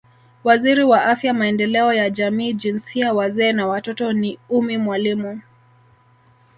Waziri wa Afya Maendeleo ya Jamii Jinsia Wazee na Watoto ni Ummy Mwalimu